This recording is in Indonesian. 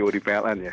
ceo di pln ya